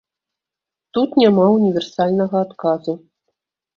Тут няма універсальнага адказу.